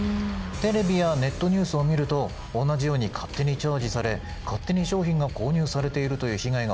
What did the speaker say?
テレビやネットニュースを見ると同じように勝手にチャージされ勝手に商品が購入されているという被害が報道されています。